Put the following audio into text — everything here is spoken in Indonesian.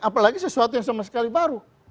apalagi sesuatu yang sama sekali baru